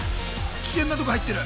危険なとこ入ってる。